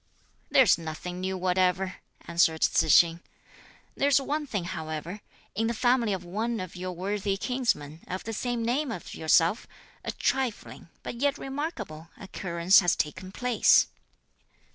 "There's nothing new whatever," answered Tzu hsing. "There is one thing however: in the family of one of your worthy kinsmen, of the same name as yourself, a trifling, but yet remarkable, occurrence has taken place."